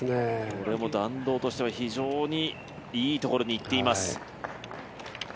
これも弾道としては非常にいいところにいっています。